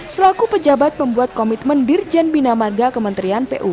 selaku pejabat pembuat komitmen dirjen bina mada kementerian pupr